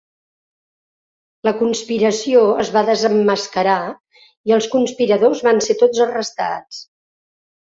La conspiració es va desemmascarar i els conspiradors van ser tots arrestats.